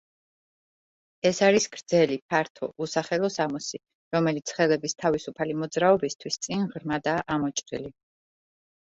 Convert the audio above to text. ეს არის გრძელი, ფართო, უსახელო სამოსი, რომელიც ხელების თავისუფალი მოძრაობისთვის წინ ღრმადაა ამოჭრილი.